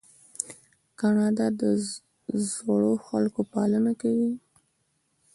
کاناډا د زړو خلکو پالنه کوي.